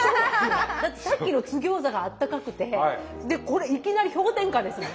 だってさっきの津ぎょうざがあったかくてでこれいきなり氷点下ですもん。